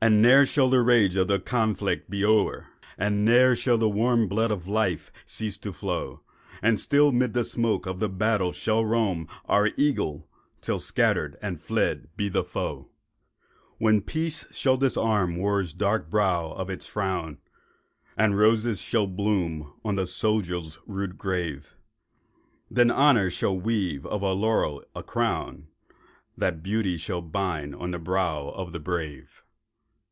And ne'er shall the rage of the conflict be o'er, And ne'er shall the warm blood of life cease to flow, And still 'mid the smoke of the battle shall roam Our Eagle—till scattered and fled be the foe. When Peace shall disarm War's dark brow of its frown, And roses shall bloom on the soldier's rude grave— Then Honour shall weave of the laurel a crown, That Beauty shall bind on the brow of the brave."